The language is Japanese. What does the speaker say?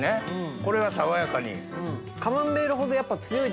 これが爽やかに。